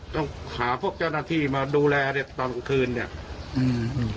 ต้องหาพวกจัดหน้าที่มาดูแลตอนคืนเนี่ย